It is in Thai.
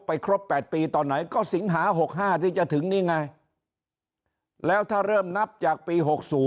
ครบ๘ปีตอนไหนก็สิงหา๖๕ที่จะถึงนี่ไงแล้วถ้าเริ่มนับจากปี๖๐